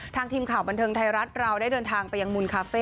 ทีมข่าวบันเทิงไทยรัฐเราได้เดินทางไปยังมูลคาเฟ่